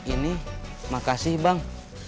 ini makasih bang